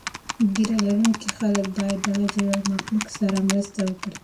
ږیره لرونکي خلک باید د الله له مخلوق سره مرسته وکړي.